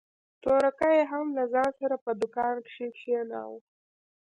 تورکى يې هم له ځان سره په دوکان کښې کښېناوه.